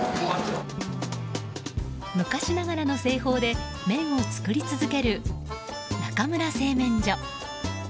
昔ながらの製法で麺を作り続ける中村製麺所。